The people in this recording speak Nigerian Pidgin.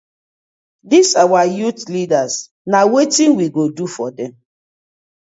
Dis our youth leaders na wetin we go do for dem.